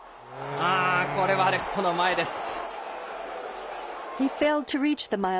あー、これはレフトの前です。